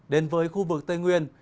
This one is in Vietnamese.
đến với khu vực tây nguyên